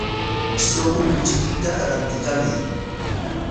Suqu kuchiykita rantikamay.